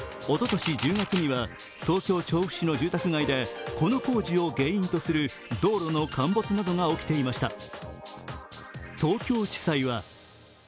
おととし１０月には東京・調布市の住宅街でこの工事を原因とする道路の陥没などが起きていました。